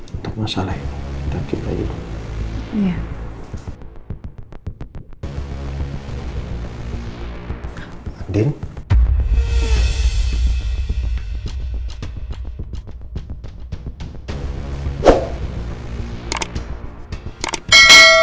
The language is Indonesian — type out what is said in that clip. untuk masalah yang kita pikirkan dulu